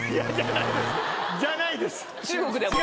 じゃないです。